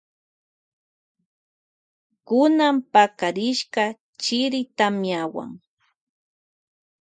Kuna pakarishka chiri tamiawan.